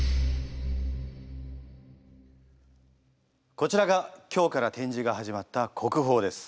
こちらが今日から展示が始まった国宝です。